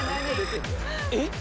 えっ！